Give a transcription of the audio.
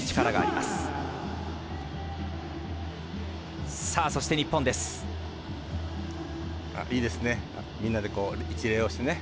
いいですね